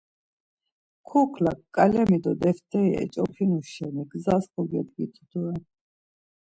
Kuklak ǩalemi do defteri eç̌opinu şeni gzas kogedgitu doren.